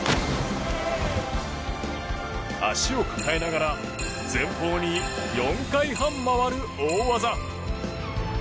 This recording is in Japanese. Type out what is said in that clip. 足を抱えながら前方に４回半回る大技。